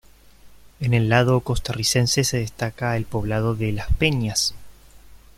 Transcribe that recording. En el lado costarricense se destaca el poblado de Las Peñas.